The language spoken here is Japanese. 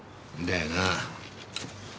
だよな。